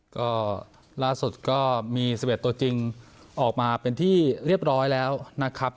ก็ล่าสุดก็มี๑๑ตัวจริงออกมาเป็นที่เรียบร้อยแล้วนะครับ